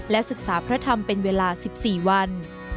ศึกษาพระธรรมเป็นเวลา๑๔วัน